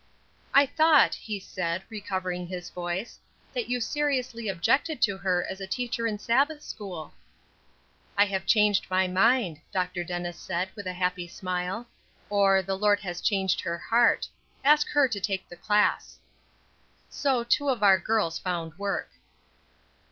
"I thought," he said, recovering his voice, "that you seriously objected to her as a teacher in Sabbath school?" "I have changed my mind," Dr. Dennis said, with a happy smile, "or, the Lord has changed her heart. Ask her to take the class." So two of our girls found work.